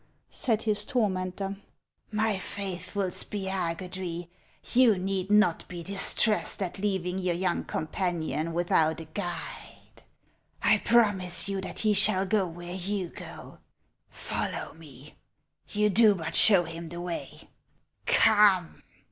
" said his tormentor ;" my faithful Spiagudry, you need not be distressed at leaving your young com panion without a guide. 1 promise you that he shall go where you go. Follow me ; you do but show him the way. Come